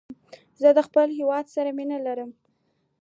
زه د خپل هېواد سره مینه لرم